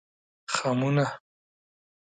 خمونه